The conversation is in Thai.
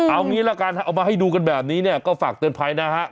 เอางี้แล้วกันเขาเอาออกมาให้ดูแบบนี้เนี่ยก็ฝากเติมมันนะครับ